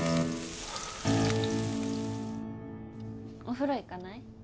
お風呂行かない？